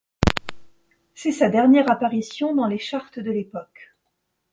C'est sa dernière apparition dans les chartes de l'époque.